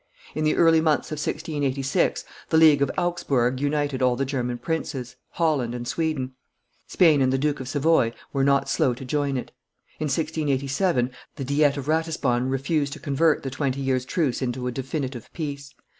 In the early months of 1686, the league of Augsburg united all the German princes, Holland, and Sweden; Spain and the Duke of Savoy were not slow to join it. In 1687, the diet of Ratisbonne refused to convert the twenty years' truce into a definitive peace.